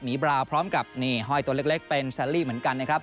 บราพร้อมกับนี่ห้อยตัวเล็กเป็นแซลลี่เหมือนกันนะครับ